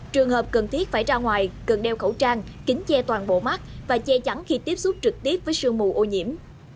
trường hợp cần thiết phải ra ngoài cần đeo khẩu trang kính che toàn bộ mắt và che chắn khi tiếp xúc trực tiếp với sương mù ô nhiễm